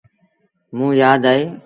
موݩ يآد اهي۔